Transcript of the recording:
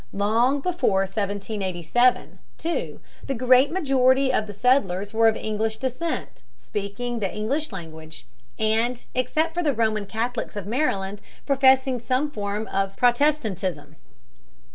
Long before 1787, too, the great majority of the settlers were of English descent, speaking the English language, and, except for the Roman Catholics of Maryland, professing some form of Protestantism.